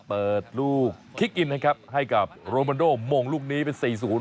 เปิดลูกคิกอินนะครับให้กับโรมันโดมงลูกนี้เป็น๔๐